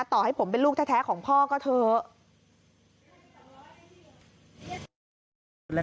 ต่อให้ผมเป็นลูกแท้ของพ่อก็เถอะ